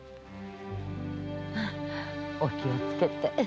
お気をつけて。